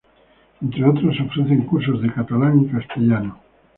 Entre otros, se ofrecen cursos de catalán y castellano.